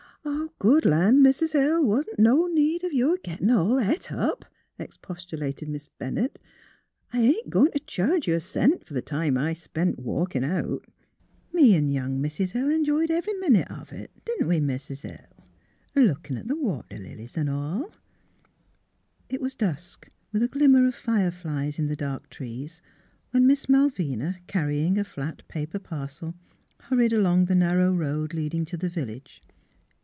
" Good land. Mis' Hill, th' wasn't no need of your gittin' all het up! " expostulated Miss Ben nett. " I ain't going t' charge ye a cent fer th' time I spent walkin' out. Me an' young Mis' Hill enjoyed every minute of it; didn't we. Mis' Hill? a lookin' at th' water lilies an' all. ..." It was dusk, with a glimmer of fire flies in the dark trees, when Miss Malvina, carrying a flat paper parcel, hurried along the narrow road leading to the village.